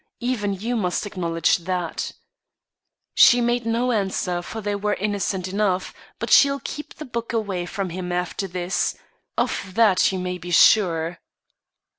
Even you must acknowledge that,' She made no answer, for they were innocent enough; but she'll keep the book away from him after this of that you may be sure."